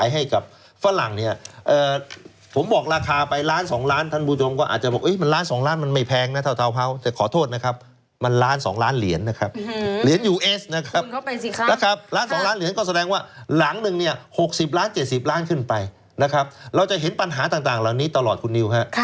หลังหนึ่งเนี่ย๖๐ล้าน๗๐ล้านขึ้นไปเราจะเห็นปัญหาต่างเหล่านี้ตลอดคุณนิวครับ